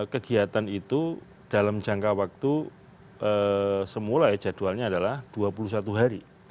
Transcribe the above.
kegiatan itu dalam jangka waktu semulai jadwalnya adalah dua puluh satu hari